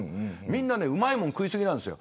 みんなうまいもん食い過ぎなんですよ。